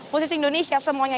musisi indonesia semuanya